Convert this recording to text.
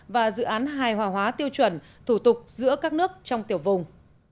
và dự án hài hòa hóa tiêu chuẩn thủ tục giữa các nước trong tiểu vùng